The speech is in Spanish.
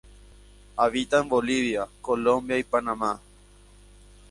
Habita en Bolivia, Colombia y Panamá.